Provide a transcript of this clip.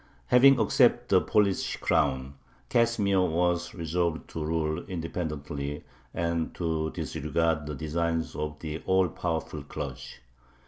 Having accepted the Polish crown, Casimir was resolved to rule independently and to disregard the designs of the all powerful clergy.